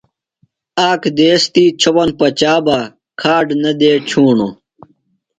آک دیس تی چھوۡپن پچا بہ کھاڈ نہ دےۡ ڇُھوݨوۡ۔